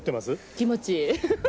気持ちいい。